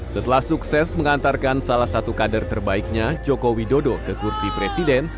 setelah sukses mengantarkan salah satu kader terbaiknya joko widodo ke kursi presiden